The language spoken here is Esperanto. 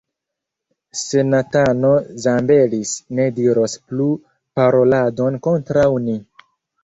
Senatano Zambelis ne diros plu paroladon kontraŭ ni.